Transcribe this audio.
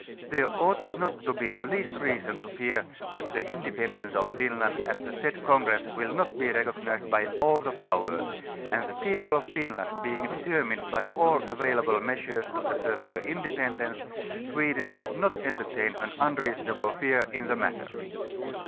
There ought not to be the least reason to fear that the independence of Finland at the said congress will not be recognized by all the Powers, and the people of Finland, being determined by all available measures to assert their independence. Sweden should not entertain an unreasonable fear in the matter.